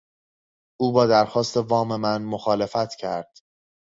او با درخواست وام من مخالفت کرد.